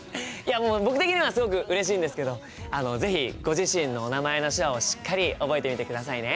もう僕的にはすごくうれしいんですけどあの是非ご自身のお名前の手話をしっかり覚えてみてくださいね。